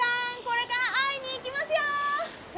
これから会いに行きますよ！